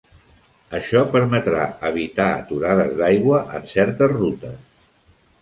Això permetrà evitar aturades d'aigua en certes rutes.